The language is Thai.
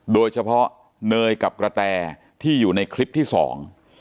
โดยเฉพาะเนยกับกระแตที่อยู่ในคลิปที่สอง